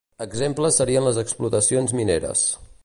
Exemples serien les explotacions mineres.